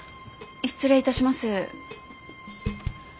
失礼いたします。